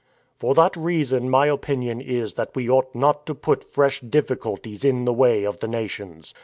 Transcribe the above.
" For that reason my opinion is that we ought not to put fresh difficulties in the way of the Nations.